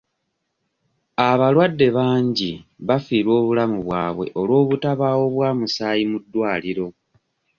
Abalwadde bangi bafiirwa obulamu bwabwe olw'obutabaawo bwa musaayi mu ddwaliro.